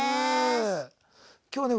今日はね